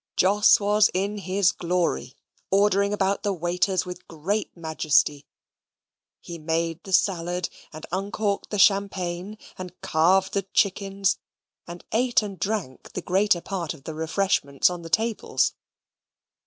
Jos was in his glory, ordering about the waiters with great majesty. He made the salad; and uncorked the Champagne; and carved the chickens; and ate and drank the greater part of the refreshments on the tables.